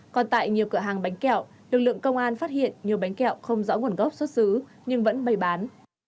còn tại nhiều cửa hàng bánh kẹo lực lượng công an phát hiện nhiều bánh kẹo không rõ nguồn gốc xuất xứ nhưng vẫn bày bán